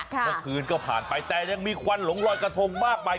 เมื่อคืนก็ผ่านไปแต่ยังมีควันหลงลอยกระทงมากมาย